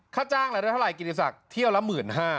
ค่าจ้างอะไรได้เท่าไรกิริสักฯเที่ยวละหมื่นห้า